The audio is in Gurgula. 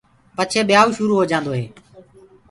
پچهي ٻيايوُ شُرو هوجآندو هي۔